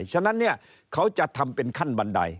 ฉะนั้นเนี่ยเขาจะทำเป็นขั้นบันได